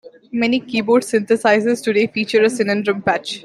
Many keyboard synthesizers today feature a Syndrum patch.